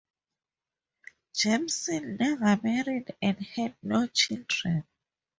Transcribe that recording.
Jameson never married and had no children.